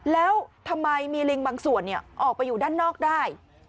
แล้วทำไมมีลิงบางส่วนออกไปอยู่ด้านนอกได้